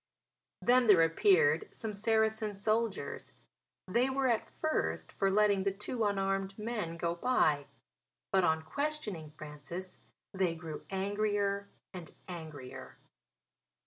'" Then there appeared some Saracen soldiers. They were, at first, for letting the two unarmed men go by; but, on questioning Francis, they grew angrier and angrier.